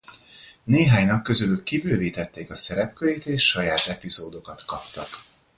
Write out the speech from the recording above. Néhánynak közülük kibővítették a szerepkörét és saját epizódokat kaptak.